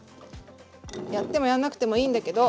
やってもやんなくてもいいんだけど。